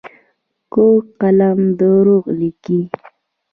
کوږ قلم دروغ لیکي